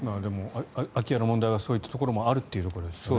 空き家の問題はそういったところもあるということですね。